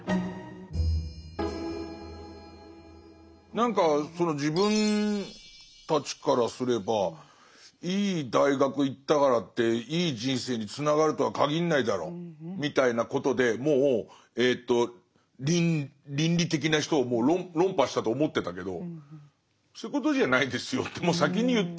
何かその自分たちからすればいい大学行ったからっていい人生につながるとは限んないだろみたいなことでもう倫理的な人を論破したと思ってたけどそういうことじゃないですよってもう先に言ってんのね。